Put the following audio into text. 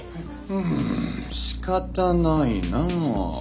んしかたないなぁ。